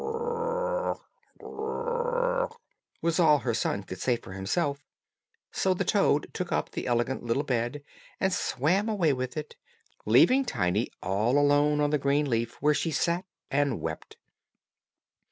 "Croak, croak, croak," was all her son could say for himself; so the toad took up the elegant little bed, and swam away with it, leaving Tiny all alone on the green leaf, where she sat and wept.